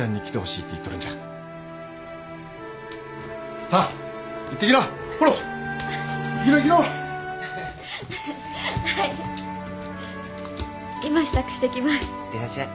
いってらっしゃい。